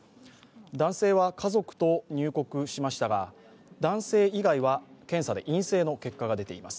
男性は家族と入国しましたが、男性以外は検査で陰性の結果が出ています。